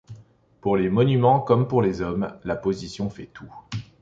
Pour les monuments comme pour les hommes, la position fait tout.